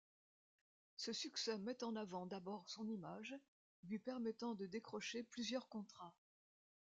Ce succès met en avant d'abord son image, lui permettant de décrocher plusieurs contrats.